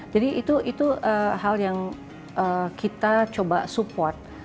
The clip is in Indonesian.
jadi itu hal yang kita coba support